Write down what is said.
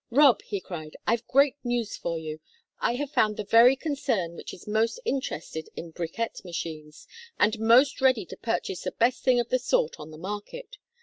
"Rob," he cried. "I've great news for you. I have found the very concern which is most interested in bricquette machines, and most ready to purchase the best thing of the sort on the market.